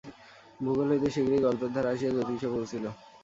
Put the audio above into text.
ভূগোল হইতে শীঘ্রই গল্পের ধারা আসিয়া জ্যোতিষে পৌঁছিল।